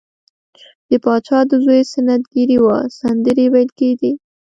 د پاچا د زوی سنت ګیری وه سندرې ویل کیدې.